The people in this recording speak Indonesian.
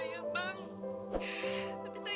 tapi saya gak mau berhenti